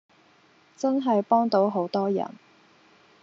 真係幫到好多人